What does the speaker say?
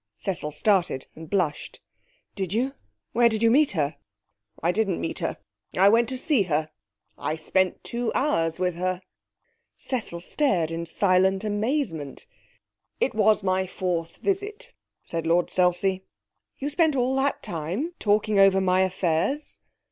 Cecil started and blushed. 'Did you? Where did you meet her?' 'I didn't meet her. I went to see her. I spent two hours with her.' Cecil stared in silent amazement. 'It was my fourth visit,' said Lord Selsey. 'You spent all that time talking over my affairs?'